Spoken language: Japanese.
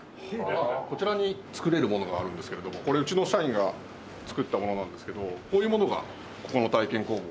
こちらに作れるものがあるんですけれどもこれうちの社員が作ったものなんですけどこういうものがここの体験工房で。